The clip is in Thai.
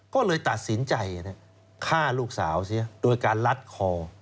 ก็เลยตัดสินใจฆ่าลูกสาวเสียโดยการลัดคอ